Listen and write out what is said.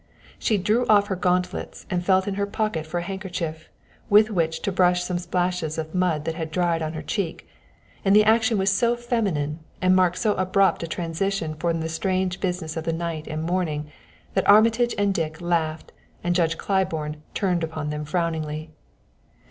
She drew off her gauntlets and felt in her pocket for a handkerchief with which to brush some splashes of mud that had dried on her cheek, and the action was so feminine, and marked so abrupt a transition from the strange business of the night and morning, that Armitage and Dick laughed and Judge Claiborne turned upon them frowningly.